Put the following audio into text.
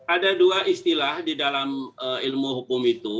ada dua istilah di dalam ilmu hukum itu